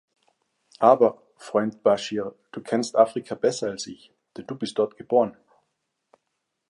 Aber, Freund Bashir, du kennst Afrika besser als ich, denn du bist dort geboren.